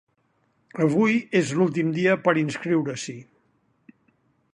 Avui és l’últim dia per a inscriure-s’hi.